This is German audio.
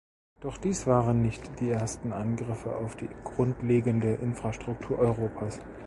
Doch dies waren nicht die ersten Angriffe auf die grundlegende Infrastruktur Europas.